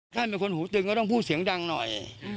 ท่านเป็นคนหูตึงก็ต้องพูดเสียงดังหน่อย